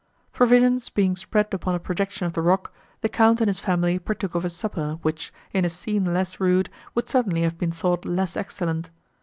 Provisions being spread upon a projection of the rock, the Count and his family partook of a supper, which, in a scene less rude, would certainly have been thought less excellent.